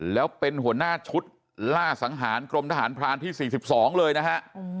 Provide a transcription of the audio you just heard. แล้วเป็นหัวหน้าชุดล่าสังหารกรมทหารพรานที่๔๒เลยนะฮะ